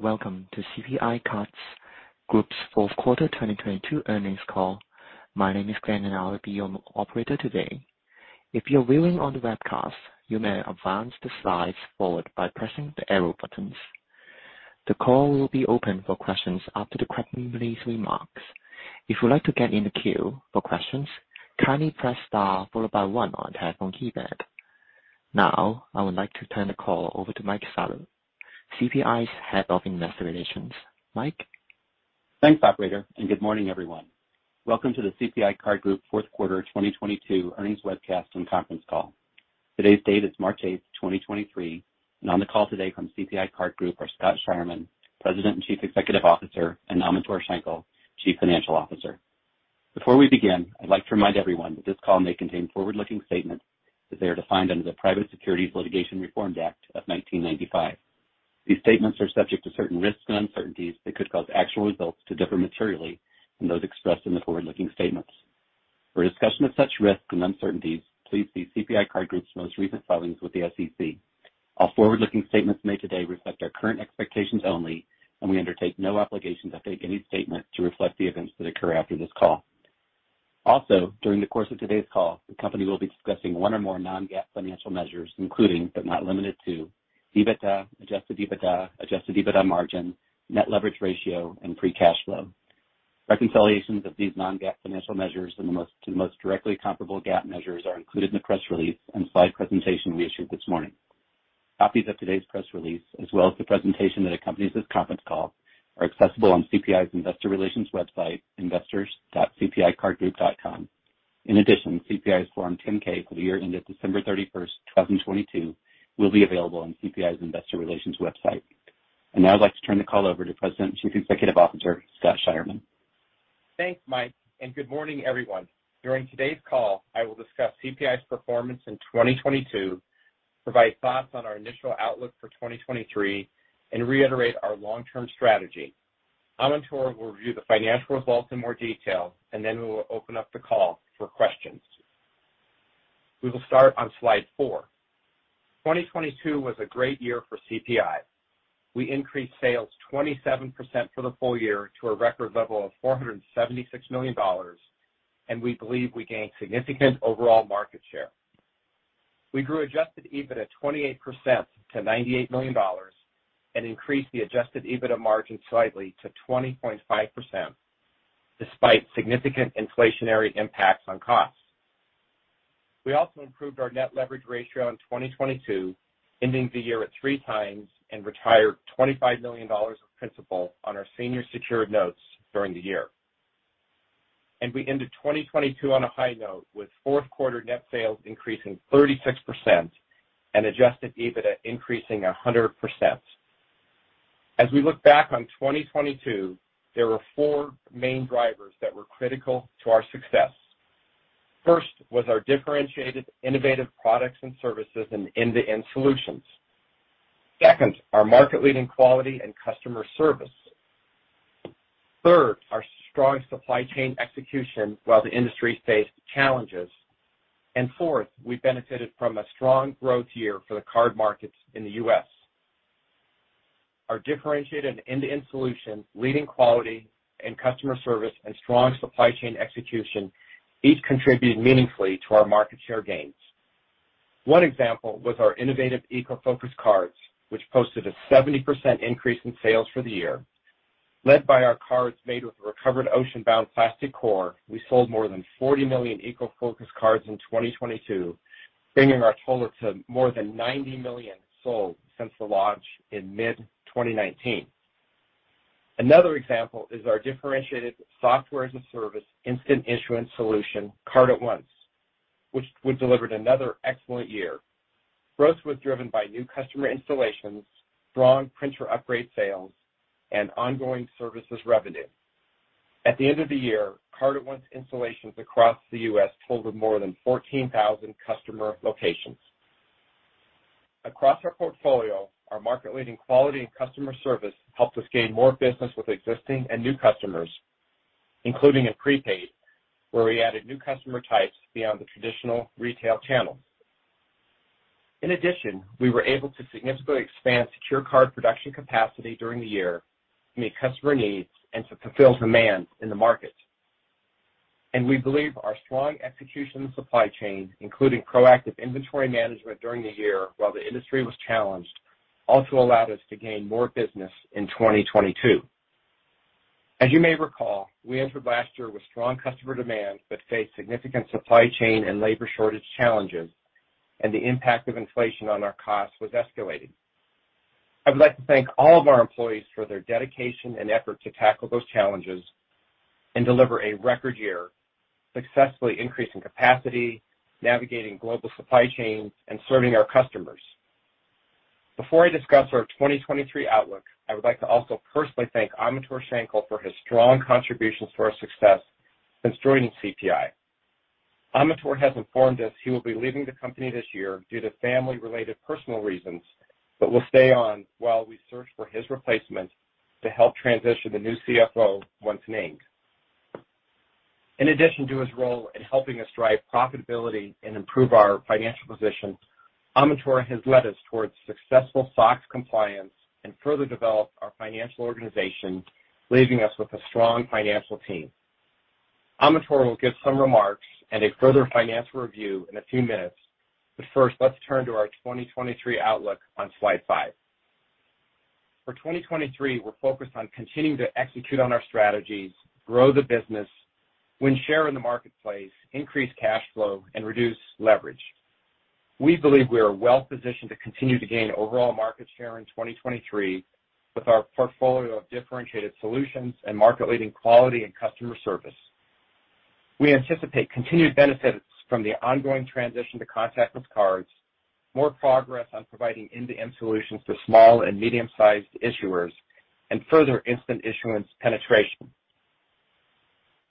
Welcome to CPI Card Group's fourth quarter 2022 earnings call. My name is Glenn, I will be your operator today. If you're viewing on the webcast, you may advance the slides forward by pressing the arrow buttons. The call will be open for questions after the company's remarks. If you'd like to get in the queue for questions, kindly press star followed by one on your telephone keypad. I would like to turn the call over to Mike Salop, CPI's Head of Investor Relations. Mike? Thanks, operator, good morning, everyone. Welcome to the CPI Card Group fourth quarter 2022 earnings webcast and conference call. Today's date is March 8th, 2023. On the call today from CPI Card Group are Scott Scheirman, President and Chief Executive Officer, and Amintore Schenkel, Chief Financial Officer. Before we begin, I'd like to remind everyone that this call may contain forward-looking statements as they are defined under the Private Securities Litigation Reform Act of 1995. These statements are subject to certain risks and uncertainties that could cause actual results to differ materially from those expressed in the forward-looking statements. For a discussion of such risks and uncertainties, please see CPI Card Group's most recent filings with the SEC. All forward-looking statements made today reflect our current expectations only, and we undertake no obligation to update any statement to reflect the events that occur after this call. Also, during the course of today's call, the company will be discussing one or more non-GAAP financial measures, including but not limited to EBITDA, Adjusted EBITDA, Adjusted EBITDA margin, net leverage ratio, and free cash flow. Reconciliations of these non-GAAP financial measures to the most directly comparable GAAP measures are included in the press release and slide presentation we issued this morning. Copies of today's press release, as well as the presentation that accompanies this conference call, are accessible on CPI's investor relations website, investors.cpicardgroup.com. In addition, CPI's Form 10-K for the year ended December 31st, 2022, will be available on CPI's investor relations website. Now I'd like to turn the call over to President and Chief Executive Officer, Scott Scheirman. Thanks, Mike. Good morning, everyone. During today's call, I will discuss CPI's performance in 2022, provide thoughts on our initial outlook for 2023, and reiterate our long-term strategy. Amintore will review the financial results in more detail. We will open up the call for questions. We will start on slide four. 2022 was a great year for CPI. We increased sales 27% for the full year to a record level of $476 million. We believe we gained significant overall market share. We grew Adjusted EBITDA 28% to $98 million and increased the Adjusted EBITDA margin slightly to 20.5% despite significant inflationary impacts on costs. We also improved our net leverage ratio in 2022, ending the year at 3x and retired $25 million of principal on our senior secured notes during the year. We ended 2022 on a high note with fourth quarter net sales increasing 36% and Adjusted EBITDA increasing 100%. As we look back on 2022, there were four main drivers that were critical to our success. First was our differentiated innovative products and services and end-to-end solutions. Second, our market-leading quality and customer service. Third, our strong supply chain execution while the industry faced challenges. Fourth, we benefited from a strong growth year for the card markets in the U.S. Our differentiated end-to-end solution, leading quality and customer service, and strong supply chain execution each contributed meaningfully to our market share gains. One example was our innovative eco-focused cards, which posted a 70% increase in sales for the year. Led by our cards made with recovered ocean-bound plastic core, we sold more than 40 million eco-focused cards in 2022, bringing our total to more than 90 million sold since the launch in mid-2019. Another example is our differentiated software-as-a-service instant issuance solution, Card@Once, which we delivered another excellent year. Growth was driven by new customer installations, strong printer upgrade sales, and ongoing services revenue. At the end of the year, Card@Once installations across the U.S. totaled more than 14,000 customer locations. Across our portfolio, our market-leading quality and customer service helped us gain more business with existing and new customers, including in Prepaid, where we added new customer types beyond the traditional retail channel. In addition, we were able to significantly expand secure card production capacity during the year to meet customer needs and to fulfill demand in the market. We believe our strong execution and supply chain, including proactive inventory management during the year while the industry was challenged, also allowed us to gain more business in 2022. You may recall, we entered last year with strong customer demand but faced significant supply chain and labor shortage challenges, and the impact of inflation on our costs was escalating. I would like to thank all of our employees for their dedication and effort to tackle those challenges and deliver a record year, successfully increasing capacity, navigating global supply chains, and serving our customers. Before I discuss our 2023 outlook, I would like to also personally thank Amintore Schenkel for his strong contributions to our success since joining CPI. Amitor has informed us he will be leaving the company this year due to family-related personal reasons but will stay on while we search for his replacement to help transition the new CFO once named. In addition to his role in helping us drive profitability and improve our financial position, Amitore has led us towards successful SOX compliance and further developed our financial organization, leaving us with a strong financial team. First, let's turn to our 2023 outlook on slide five. For 2023, we're focused on continuing to execute on our strategies, grow the business, win share in the marketplace, increase cash flow, and reduce leverage. We believe we are well-positioned to continue to gain overall market share in 2023 with our portfolio of differentiated solutions and market-leading quality and customer service. We anticipate continued benefits from the ongoing transition to contactless cards, more progress on providing end-to-end solutions to small and medium-sized issuers, and further instant issuance penetration.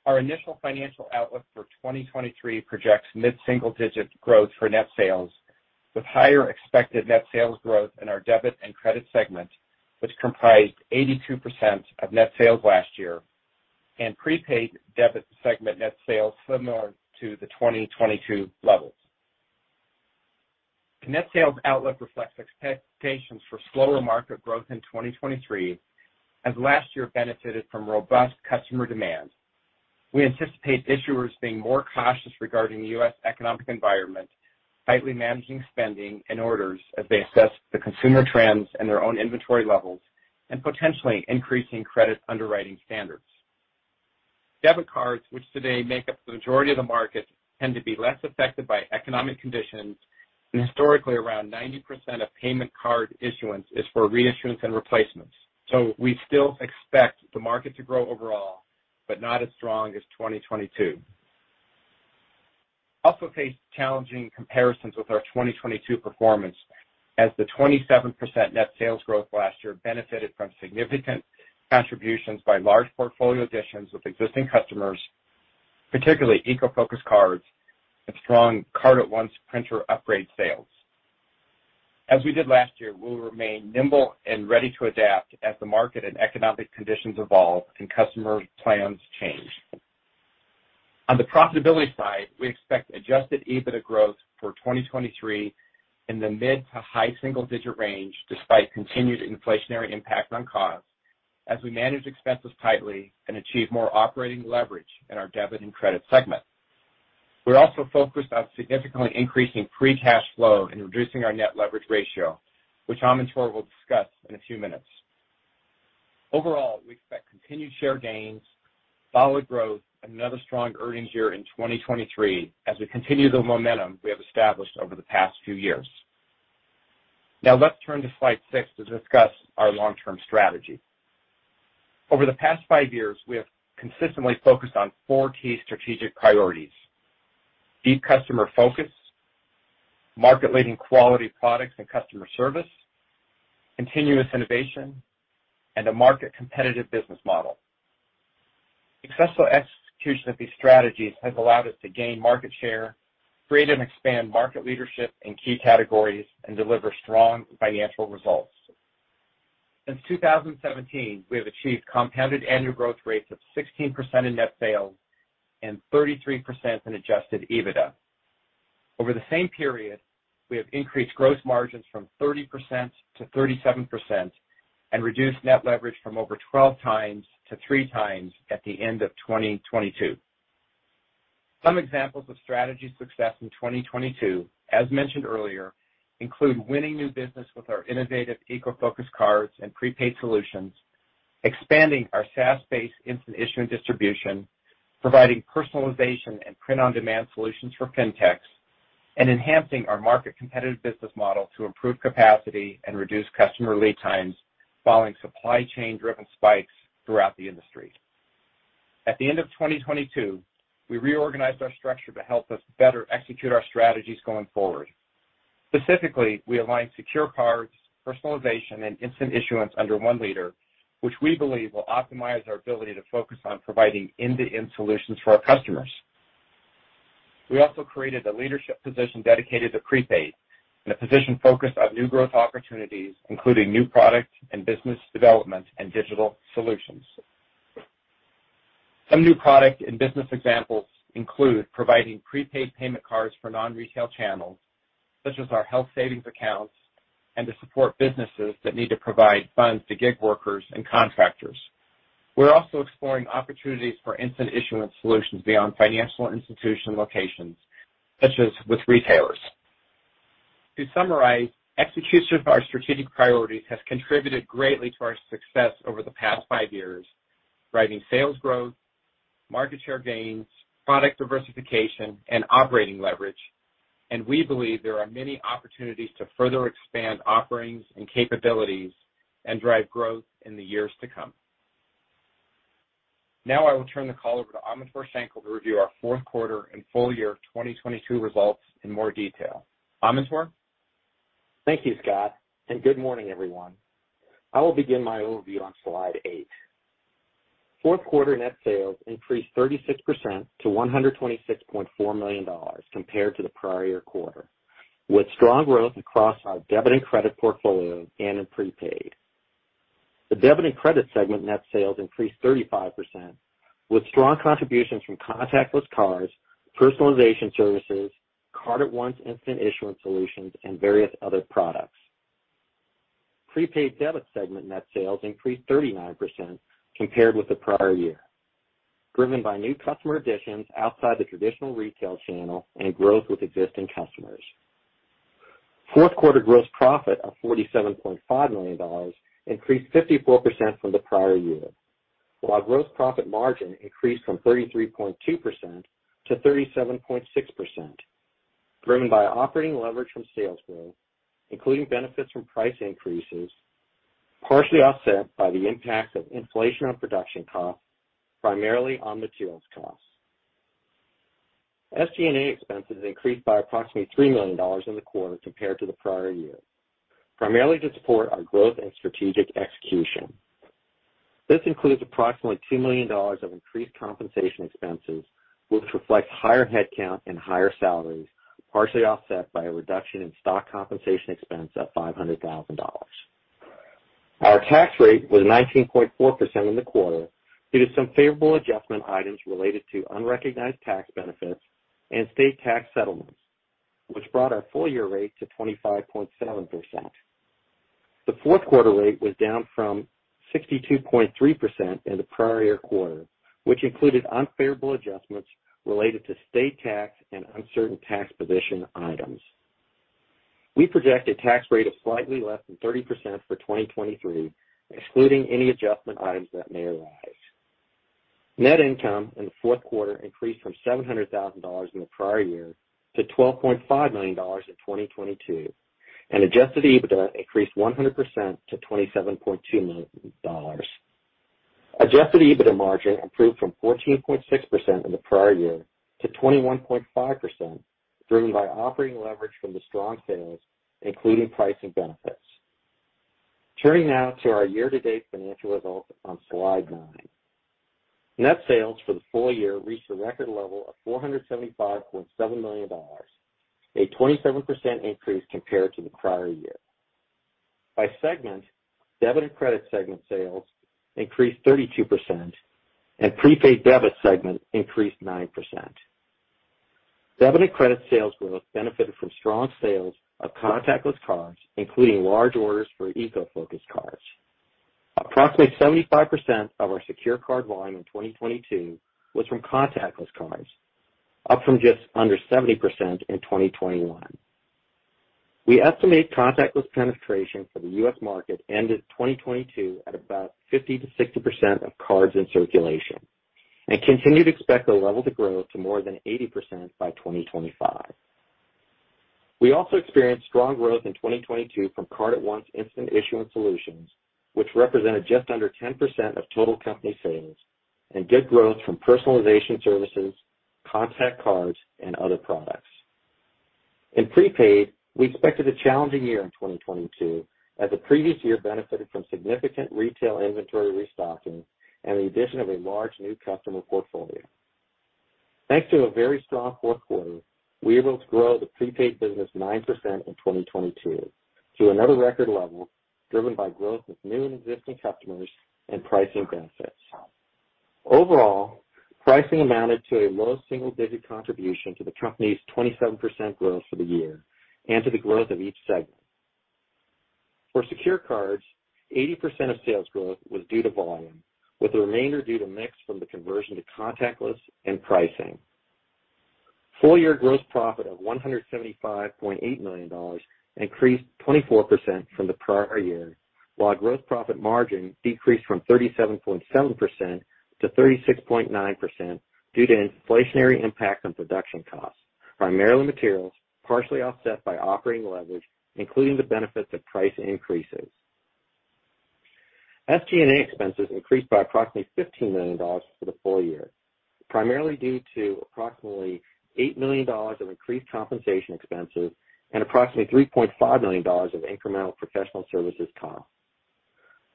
Our initial financial outlook for 2023 projects mid-single-digit growth for net sales, with higher expected net sales growth in our Debit and Credit segment, which comprised 82% of net sales last year, and Prepaid Debit segment net sales similar to the 2022 levels. The net sales outlook reflects expectations for slower market growth in 2023, as last year benefited from robust customer demand. We anticipate issuers being more cautious regarding U.S. economic environment, tightly managing spending and orders as they assess the consumer trends and their own inventory levels, and potentially increasing credit underwriting standards. Debit cards, which today make up the majority of the market, tend to be less affected by economic conditions, historically around 90% of payment card issuance is for reissuance and replacements. We still expect the market to grow overall, but not as strong as 2022. Also face challenging comparisons with our 2022 performance, as the 27% net sales growth last year benefited from significant contributions by large portfolio additions with existing customers, particularly eco-focused cards and strong Card@Once printer upgrade sales. As we did last year, we will remain nimble and ready to adapt as the market and economic conditions evolve and customer plans change. On the profitability side, we expect Adjusted EBITDA growth for 2023 in the mid to high single digit range despite continued inflationary impact on costs as we manage expenses tightly and achieve more operating leverage in our Debit and Credit segment. We're also focused on significantly increasing free cash flow and reducing our net leverage ratio, which Amitore will discuss in a few minutes. Overall, we expect continued share gains, solid growth, and another strong earnings year in 2023 as we continue the momentum we have established over the past few years. Let's turn to slide six to discuss our long-term strategy. Over the past five years, we have consistently focused on four key strategic priorities: deep customer focus, market-leading quality products and customer service, continuous innovation, and a market-competitive business model. Successful execution of these strategies has allowed us to gain market share, create and expand market leadership in key categories, and deliver strong financial results. Since 2017, we have achieved compounded annual growth rates of 16% in net sales and 33% in Adjusted EBITDA. Over the same period, we have increased gross margins from 30% to 37% and reduced net leverage from over 12x to 3x at the end of 2022. Some examples of strategy success in 2022, as mentioned earlier, include winning new business with our innovative eco-focused cards and prepaid solutions, expanding our SaaS-based instant issuance distribution, providing personalization and print-on-demand solutions for fintechs, and enhancing our market competitive business model to improve capacity and reduce customer lead times following supply chain-driven spikes throughout the industry. At the end of 2022, we reorganized our structure to help us better execute our strategies going forward. Specifically, we aligned secure cards, personalization, and instant issuance under one leader, which we believe will optimize our ability to focus on providing end-to-end solutions for our customers. We also created a leadership position dedicated to prepaid and a position focused on new growth opportunities, including new products and business development and digital solutions. Some new product and business examples include providing prepaid payment cards for non-retail channels, such as our health savings accounts, and to support businesses that need to provide funds to gig workers and contractors. We're also exploring opportunities for instant issuance solutions beyond financial institution locations, such as with retailers. To summarize, execution of our strategic priorities has contributed greatly to our success over the past five years, driving sales growth, market share gains, product diversification, and operating leverage. We believe there are many opportunities to further expand offerings and capabilities and drive growth in the years to come. Now I will turn the call over to Amintore Schenkel to review our fourth quarter and full year 2022 results in more detail. Amintore? Thank you, Scott. Good morning, everyone. I will begin my overview on slide 8. Fourth quarter net sales increased 36% to $126.4 million compared to the prior year quarter, with strong growth across our Debit and Credit portfolios and in Prepaid Debit. The Debit and Credit segment net sales increased 35% with strong contributions from contactless cards, personalization services, Card@Once instant issuance solutions, and various other products. Prepaid Debit segment net sales increased 39% compared with the prior year, driven by new customer additions outside the traditional retail channel and growth with existing customers. Fourth quarter gross profit of $47.5 million increased 54% from the prior year. While gross profit margin increased from 33.2% to 37.6% driven by operating leverage from sales growth, including benefits from price increases, partially offset by the impact of inflation on production costs, primarily on materials costs. SG&A expenses increased by approximately $3 million in the quarter compared to the prior year, primarily to support our growth and strategic execution. This includes approximately $2 million of increased compensation expenses, which reflects higher headcount and higher salaries, partially offset by a reduction in stock compensation expense of $500,000. Our tax rate was 19.4% in the quarter due to some favorable adjustment items related to unrecognized tax benefits and state tax settlements, which brought our full year rate to 25.7%. The fourth quarter rate was down from 62.3% in the prior year quarter, which included unfavorable adjustments related to state tax and uncertain tax position items. We project a tax rate of slightly less than 30% for 2023, excluding any adjustment items that may arise. Net income in the fourth quarter increased from $700,000 in the prior year to $12.5 million in 2022, and Adjusted EBITDA increased 100% to $27.2 million. Adjusted EBITDA margin improved from 14.6% in the prior year to 21.5% driven by operating leverage from the strong sales, including pricing benefits. Turning now to our year-to-date financial results on slide nine. Net sales for the full year reached a record level of $475.7 million, a 27% increase compared to the prior year. By segment, Debit and Credit segment sales increased 32% and Prepaid Debit segment increased 9%. Debit and Credit sales growth benefited from strong sales of contactless cards, including large orders for eco-focused cards. Approximately 75% of our secure card volume in 2022 was from contactless cards, up from just under 70% in 2021. We estimate contactless penetration for the U.S. market ended 2022 at about 50%-60% of cards in circulation and continue to expect the level to grow to more than 80% by 2025. We also experienced strong growth in 2022 from Card@Once instant issuance solutions, which represented just under 10% of total company sales and good growth from personalization services, contact cards and other products. In Prepaid, we expected a challenging year in 2022 as the previous year benefited from significant retail inventory restocking and the addition of a large new customer portfolio. Thanks to a very strong fourth quarter, we were able to grow the Prepaid business 9% in 2022 to another record level driven by growth with new and existing customers and pricing benefits. Overall, pricing amounted to a low single-digit contribution to the company's 27% growth for the year and to the growth of each segment. For secure cards, 80% of sales growth was due to volume, with the remainder due to mix from the conversion to contactless and pricing. Full year gross profit of $175.8 million increased 24% from the prior year, while gross profit margin decreased from 37.7% to 36.9% due to inflationary impact on production costs, primarily materials partially offset by operating leverage, including the benefits of price increases. SG&A expenses increased by approximately $15 million for the full year, primarily due to approximately $8 million of increased compensation expenses and approximately $3.5 million of incremental professional services costs.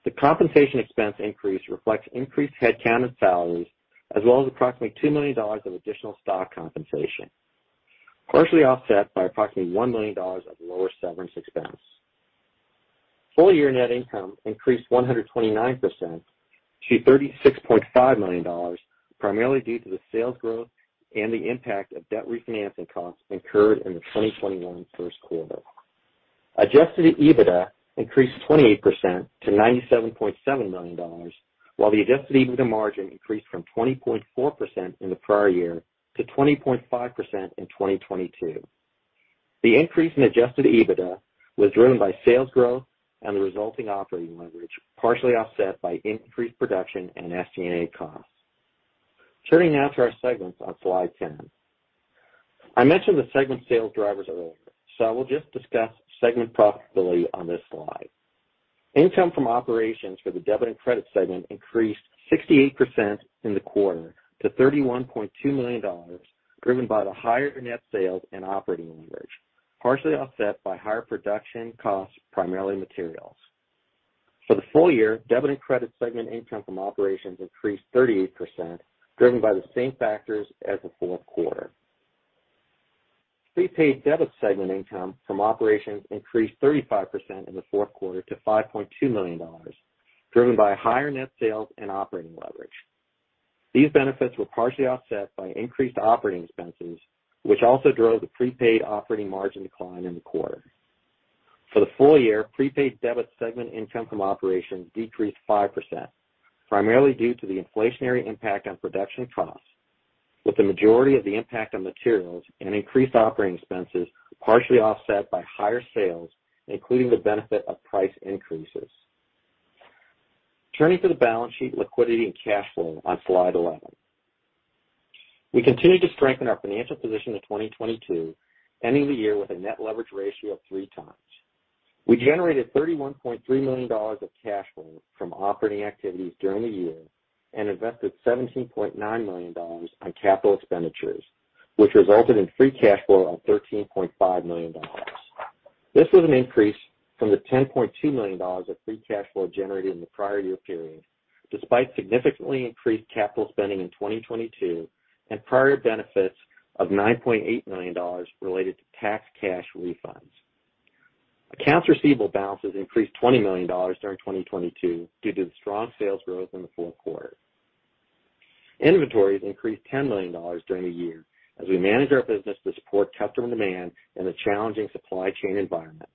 The compensation expense increase reflects increased headcount and salaries as well as approximately $2 million of additional stock compensation, partially offset by approximately $1 million of lower severance expense. Full year net income increased 129% to $36.5 million, primarily due to the sales growth and the impact of debt refinancing costs incurred in the 2021 first quarter. Adjusted EBITDA increased 28% to $97.7 million, while the Adjusted EBITDA margin increased from 20.4% in the prior year to 20.5% in 2022. The increase in Adjusted EBITDA was driven by sales growth and the resulting operating leverage, partially offset by increased production and SG&A costs. Turning now to our segments on slide 10. I mentioned the segment sales drivers earlier, I will just discuss segment profitability on this slide. Income from operations for the Debit and Credit segment increased 68% in the quarter to $31.2 million, driven by the higher net sales and operating leverage, partially offset by higher production costs, primarily materials. For the full year, Debit and Credit segment income from operations increased 38%, driven by the same factors as the fourth quarter. Prepaid Debit segment income from operations increased 35% in the fourth quarter to $5.2 million, driven by higher net sales and operating leverage. These benefits were partially offset by increased operating expenses, which also drove the prepaid operating margin decline in the quarter. For the full year, Prepaid Debit segment income from operations decreased 5%, primarily due to the inflationary impact on production costs, with the majority of the impact on materials and increased operating expenses partially offset by higher sales, including the benefit of price increases. Turning to the balance sheet, liquidity, and cash flow on slide 11. We continue to strengthen our financial position of 2022, ending the year with a net leverage ratio of 3 times. We generated $31.3 million of cash flow from operating activities during the year and invested $17.9 million on capital expenditures, which resulted in free cash flow of $13.5 million. This was an increase from the $10.2 million of free cash flow generated in the prior year period, despite significantly increased capital spending in 2022 and prior benefits of $9.8 million related to tax cash refunds. Accounts receivable balances increased $20 million during 2022 due to the strong sales growth in the fourth quarter. Inventories increased $10 million during the year as we managed our business to support customer demand in a challenging supply chain environment,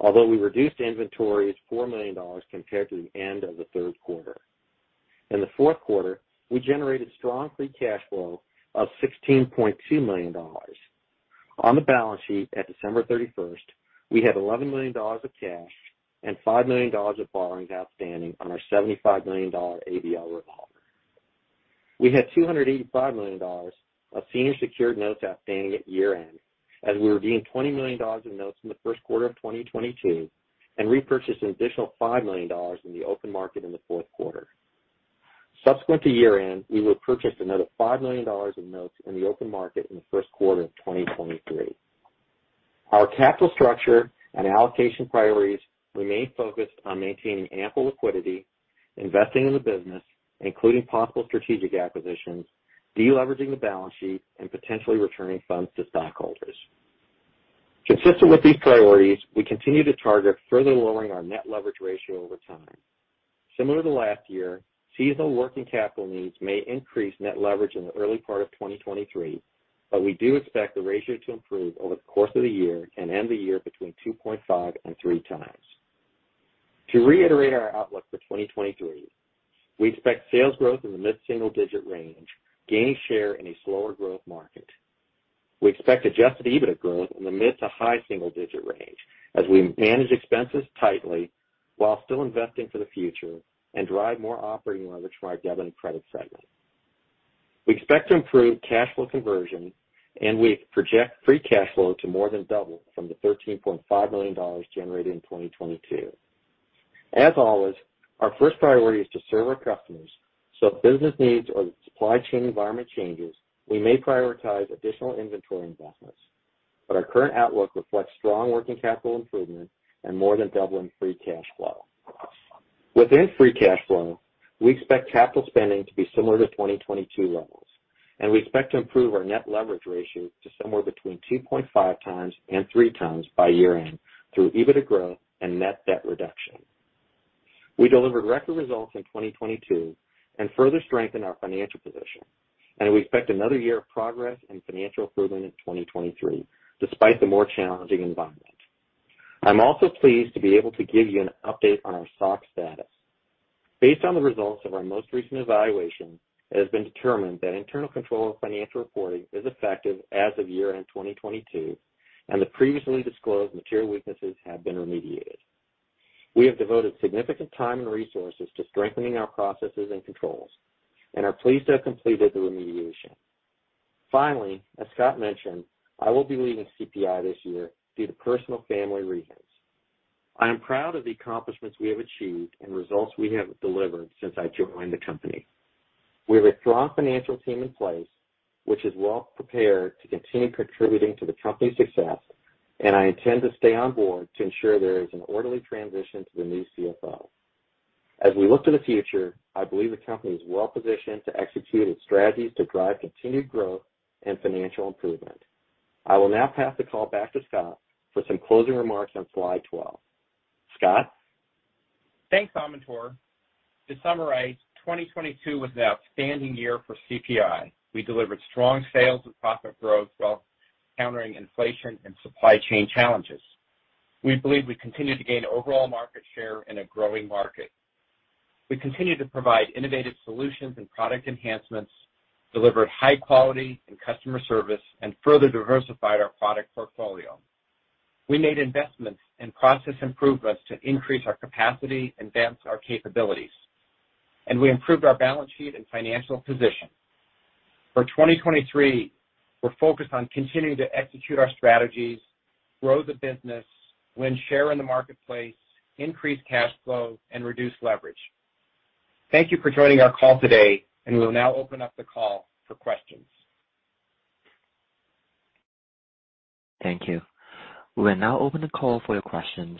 although we reduced inventories $4 million compared to the end of the third quarter. In the fourth quarter, we generated strong free cash flow of $16.2 million. On the balance sheet at December 31st, we had $11 million of cash and $5 million of borrowings outstanding on our $75 million ABL revolver. We had $285 million of senior secured notes outstanding at year-end, as we were redeeming $20 million in notes in the first quarter of 2022 and repurchased an additional $5 million in the open market in the fourth quarter. Subsequent to year-end, we will purchase another $5 million in notes in the open market in the first quarter of 2023. Our capital structure and allocation priorities remain focused on maintaining ample liquidity, investing in the business, including possible strategic acquisitions, de-leveraging the balance sheet, and potentially returning funds to stockholders. Consistent with these priorities, we continue to target further lowering our net leverage ratio over time. Similar to last year, seasonal working capital needs may increase net leverage in the early part of 2023, but we do expect the ratio to improve over the course of the year and end the year between 2.5x and 3x. To reiterate our outlook for 2023, we expect sales growth in the mid-single-digit range, gaining share in a slower growth market. We expect Adjusted EBITDA growth in the mid to high single-digit range as we manage expenses tightly while still investing for the future and drive more operating leverage from our Debit and Credit segment. We expect to improve cash flow conversion, and we project free cash flow to more than double from the $13.5 million generated in 2022. As always, our first priority is to serve our customers, so if business needs or the supply chain environment changes, we may prioritize additional inventory investments. Our current outlook reflects strong working capital improvement and more than doubling free cash flow. Within free cash flow, we expect capital spending to be similar to 2022 levels. We expect to improve our net leverage ratio to somewhere between 2.5x and 3x by year-end through EBITDA growth and net debt reduction. We delivered record results in 2022 and further strengthened our financial position. We expect another year of progress and financial improvement in 2023, despite the more challenging environment. I'm also pleased to be able to give you an update on our SOC status. Based on the results of our most recent evaluation, it has been determined that internal control of financial reporting is effective as of year-end 2022, and the previously disclosed material weaknesses have been remediated. We have devoted significant time and resources to strengthening our processes and controls and are pleased to have completed the remediation. As Scott mentioned, I will be leaving CPI this year due to personal family reasons. I am proud of the accomplishments we have achieved and results we have delivered since I joined the company. We have a strong financial team in place which is well prepared to continue contributing to the company's success, and I intend to stay on board to ensure there is an orderly transition to the new CFO. As we look to the future, I believe the company is well positioned to execute its strategies to drive continued growth and financial improvement. I will now pass the call back to Scott for some closing remarks on slide 12. Scott? Thanks, Amintore. To summarize, 2022 was an outstanding year for CPI. We delivered strong sales and profit growth while countering inflation and supply chain challenges. We believe we continued to gain overall market share in a growing market. We continued to provide innovative solutions and product enhancements, delivered high quality and customer service, and further diversified our product portfolio. We made investments in process improvements to increase our capacity, advance our capabilities, and we improved our balance sheet and financial position. For 2023, we're focused on continuing to execute our strategies, grow the business, win share in the marketplace, increase cash flow, and reduce leverage. Thank you for joining our call today. We'll now open up the call for questions. Thank you. We'll now open the call for your questions.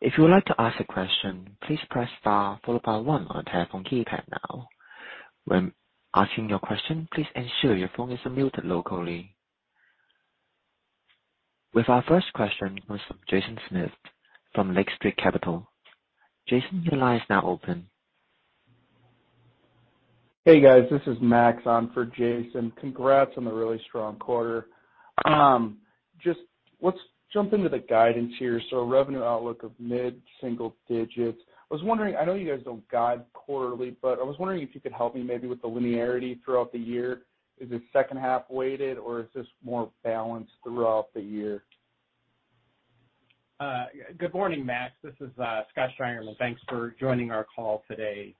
If you would like to ask a question, please press star followed by 1 on your telephone keypad now. When asking your question, please ensure your phone is muted locally. With our first question comes from Jaeson Schmidt from Lake Street Capital Markets. Jaeson, your line is now open. Hey guys, this is Max on for Jaeson. Congrats on the really strong quarter. Let's jump into the guidance here. Revenue outlook of mid-single digits. I was wondering, I know you guys don't guide quarterly, but I was wondering if you could help me maybe with the linearity throughout the year. Is it second half-weighted or is this more balanced throughout the year? Good morning, Max. This is Scott Scheirman. Thanks for joining our call today.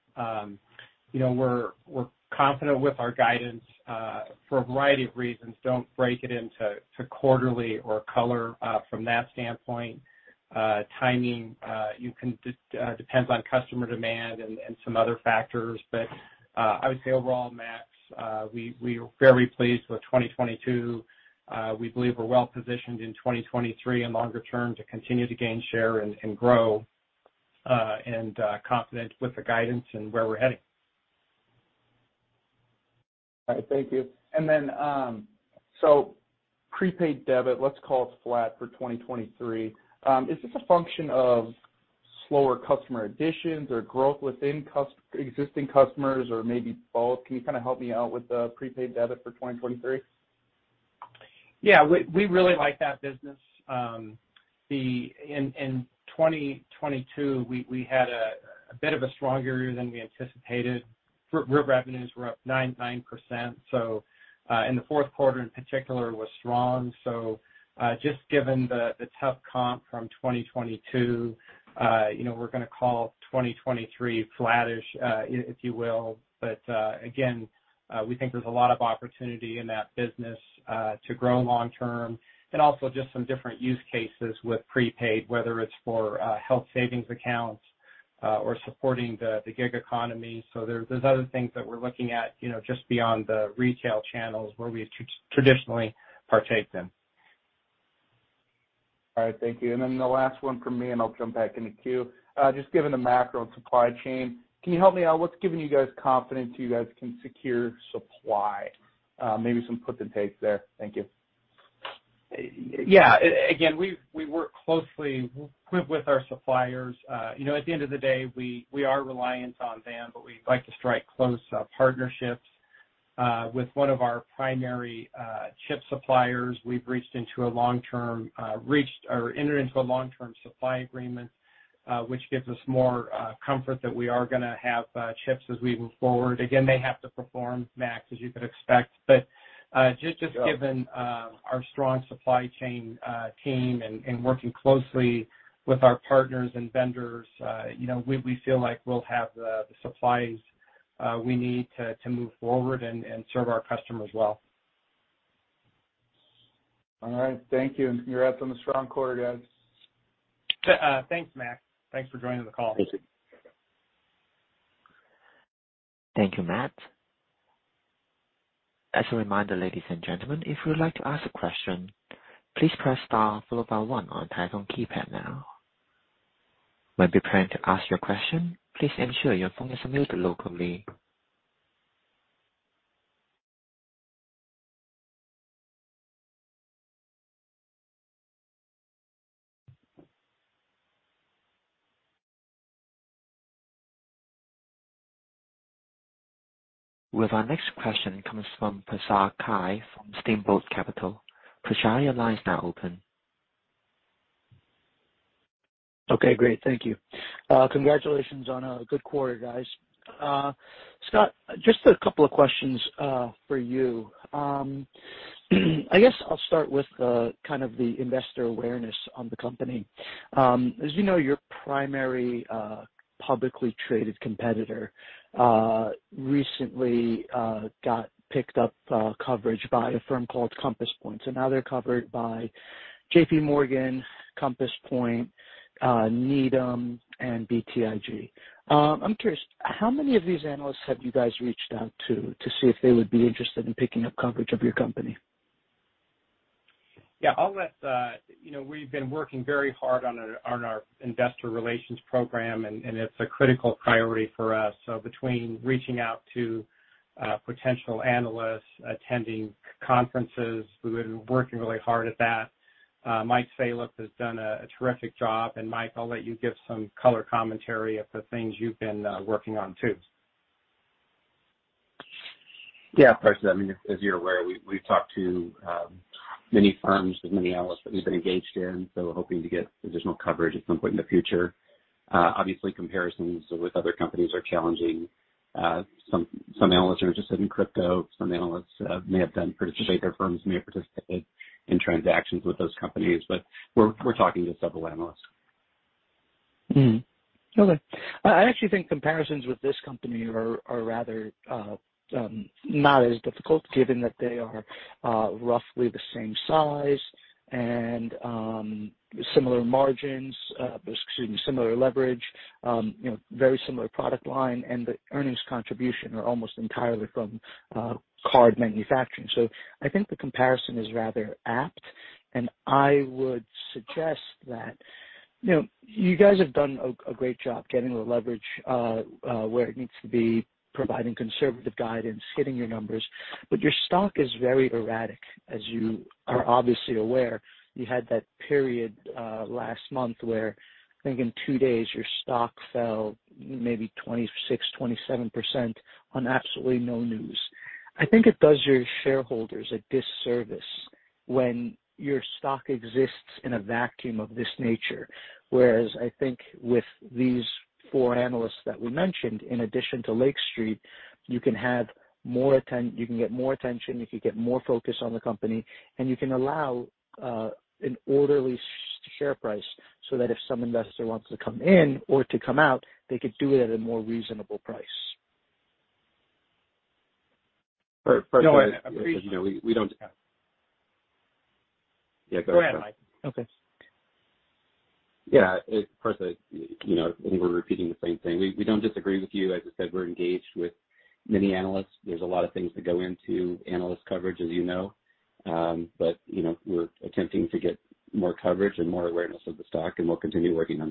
You know, we're confident with our guidance for a variety of reasons. Don't break it into to quarterly or color from that standpoint. Timing depends on customer demand and some other factors. I would say overall, Max, we are very pleased with 2022. We believe we're well-positioned in 2023 and longer term to continue to gain share and grow and confident with the guidance and where we're heading. All right. Thank you. Prepaid Debit, let's call it flat for 2023. Is this a function of slower customer additions or growth within existing customers or maybe both? Can you kinda help me out with the Prepaid Debit for 2023? We really like that business. In 2022, we had a bit of a strong year than we anticipated. Real revenues were up 9%, and the fourth quarter in particular was strong. Just given the tough comp from 2022, you know, we're gonna call 2023 flattish, if you will. Again, we think there's a lot of opportunity in that business to grow long term and also just some different use cases with prepaid, whether it's for health savings accounts or supporting the gig economy. There's other things that we're looking at, you know, just beyond the retail channels where we traditionally partake in. All right. Thank you. The last one from me, and I'll jump back in the queue. Just given the macro and supply chain, can you help me out? What's giving you guys confidence you guys can secure supply? Maybe some put and takes there? Thank you. Yeah. Again, we work closely with our suppliers. You know, at the end of the day, we are reliant on them, but we like to strike close partnerships. With one of our primary chip suppliers, we've reached into a long-term reached or entered into a long-term supply agreement, which gives us more comfort that we are gonna have chips as we move forward. Again, they have to perform, Max, as you could expect. But, just given our strong supply chain team and working closely with our partners and vendors, you know, we feel like we'll have the supplies we need to move forward and serve our customers well. All right. Thank you. Congrats on the strong quarter, guys. Thanks, Max. Thanks for joining the call. Thank you. Thank you, Max. As a reminder, ladies and gentlemen, if you would like to ask a question, please press star followed by one on telephone keypad now. When preparing to ask your question, please ensure your phone is muted locally. With our next question comes from Parsa Kiai from Steamboat Capital. Parsa, your line is now open. Okay, great. Thank you. Congratulations on a good quarter, guys. Scott, just a couple of questions for you. I guess I'll start with kind of the investor awareness on the company. As you know, your primary publicly traded competitor recently got picked up coverage by a firm called Compass Point. Now they're covered by JPMorgan, Compass Point, Needham and BTIG. I'm curious, how many of these analysts have you guys reached out to see if they would be interested in picking up coverage of your company? Yeah. I'll let, you know, we've been working very hard on our investor relations program, and it's a critical priority for us. Between reaching out to potential analysts, attending conferences, we've been working really hard at that. Mike Salop has done a terrific job. Mike, I'll let you give some color commentary of the things you've been working on too. Yeah. Parsa Kiai, I mean, as you're aware, we've talked to many firms and many analysts that we've been engaged in, hoping to get additional coverage at some point in the future. Obviously comparisons with other companies are challenging. Some analysts are interested in crypto. Some analysts may have done their firms may have participated in transactions with those companies. We're talking to several analysts. Okay. I actually think comparisons with this company are rather not as difficult given that they are roughly the same size and similar margins, excuse me, similar leverage, you know, very similar product line and the earnings contribution are almost entirely from card manufacturing. I think the comparison is rather apt. You know, you guys have done a great job getting the leverage where it needs to be, providing conservative guidance, hitting your numbers. Your stock is very erratic, as you are obviously aware. You had that period last month where I think in two days your stock fell maybe 26%-27% on absolutely no news. I think it does your shareholders a disservice when your stock exists in a vacuum of this nature. I think with these four analysts that were mentioned, in addition to Lake Street, you can get more attention, you can get more focus on the company, and you can allow an orderly share price so that if some investor wants to come in or to come out, they could do it at a more reasonable price. No, I agree. You know, we. Yeah, go ahead. Go ahead, Mike. Okay. Yeah. Of course, you know, I think we're repeating the same thing. We don't disagree with you. As I said, we're engaged with many analysts. There's a lot of things that go into analyst coverage, as you know. You know, we're attempting to get more coverage and more awareness of the stock, and we'll continue working on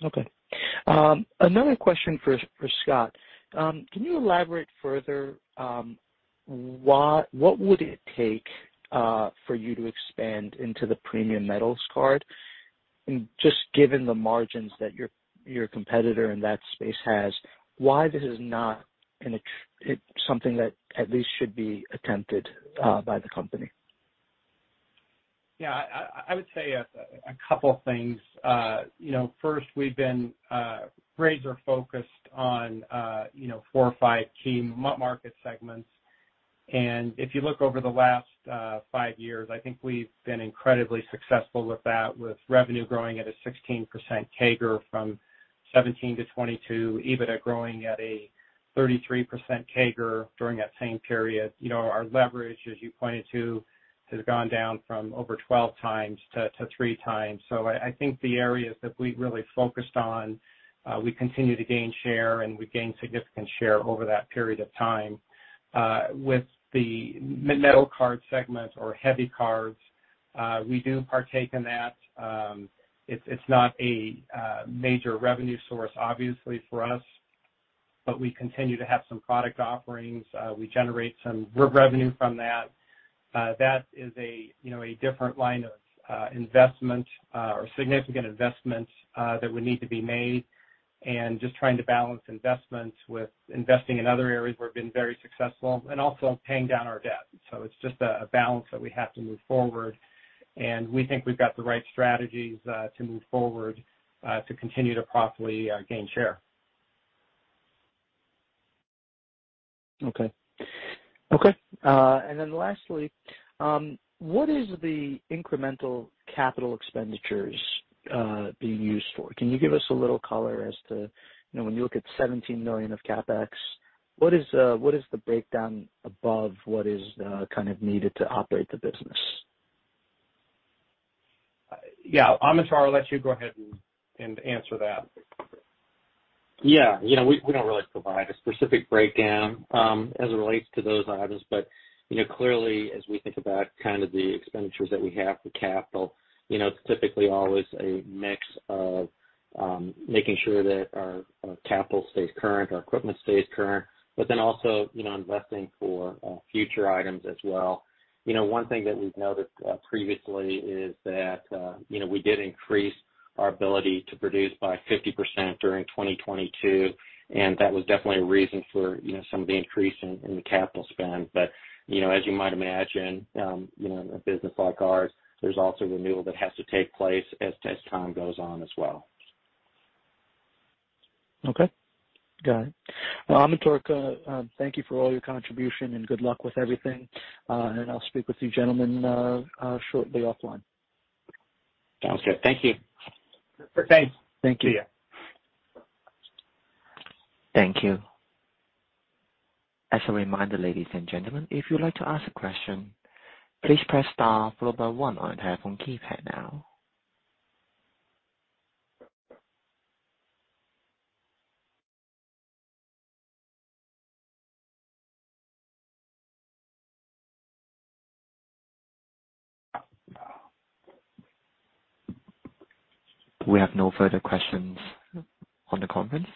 that. Okay. another question for Scott. Can you elaborate further, what would it take for you to expand into the premium metals card? Just given the margins that your competitor in that space has, why this is not something that at least should be attempted by the company? Yeah. I, I would say a couple things. You know, first, we've been razor-focused on, you know, four or five key market segments. If you look over the last five years, I think we've been incredibly successful with that, with revenue growing at a 16% CAGR from 2017-2022, EBITDA growing at a 33% CAGR during that same period. You know, our leverage, as you pointed to, has gone down from over 12x to 3x. I think the areas that we've really focused on, we continue to gain share, and we gained significant share over that period of time. With the metal card segment or heavy cards, we do partake in that. It's, it's not a major revenue source obviously for us, but we continue to have some product offerings. We generate some revenue from that. That is a, you know, a different line of investment, or significant investments, that would need to be made and just trying to balance investments with investing in other areas where we've been very successful and also paying down our debt. It's just a balance that we have to move forward, and we think we've got the right strategies to move forward to continue to properly gain share. Okay. Okay. Lastly, what is the incremental capital expenditures being used for? Can you give us a little color as to, you know, when you look at $17 million of CapEx, what is, what is the breakdown above what is, kind of needed to operate the business? Yeah. Amintore, I'll let you go ahead and answer that. Yeah. You know, we don't really provide a specific breakdown as it relates to those items. You know, clearly, as we think about kind of the expenditures that we have for capital, you know, it's typically always a mix of making sure that our capital stays current, our equipment stays current, also, you know, investing for future items as well. You know, one thing that we've noticed previously is that, you know, we did increase our ability to produce by 50% during 2022, That was definitely a reason for, you know, some of the increase in the capital spend. You know, as you might imagine, you know, a business like ours, there's also renewal that has to take place as time goes on as well. Okay. Got it. Amit, thank you for all your contribution, and good luck with everything. I'll speak with you gentlemen shortly offline. Sounds good. Thank you. Thanks. Thank you. See ya. Thank you. As a reminder, ladies and gentlemen, if you'd like to ask a question, please press star followed by one on your telephone keypad now. We have no further questions on the conference.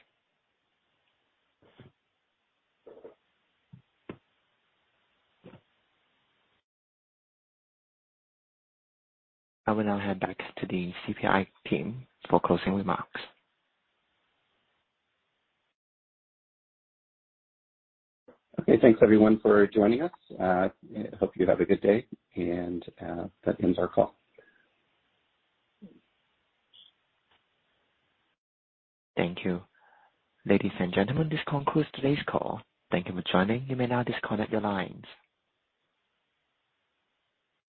I will now hand back to the CPI team for closing remarks. Okay. Thanks everyone for joining us. Hope you have a good day, and that ends our call. Thank you. Ladies and gentlemen, this concludes today's call. Thank you for joining. You may now disconnect your lines.